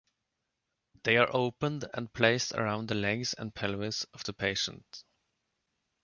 They are opened and placed around the legs and pelvis of the patient.